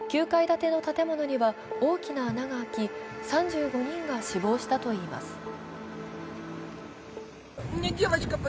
９階建ての建物には大きな穴が開き３５人が死亡したといいます。